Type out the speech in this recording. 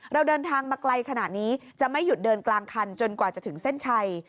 เราเดินทางมาไกลขนาดนี้จะไม่หยุดเดินกลางคันจนกว่าจะถึงเส้นชัย